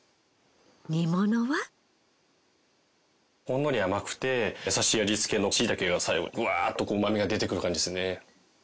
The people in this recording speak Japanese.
ほんのり甘くてやさしい味付けのしいたけが最後ブワーっとこううまみが出てくる感じですね。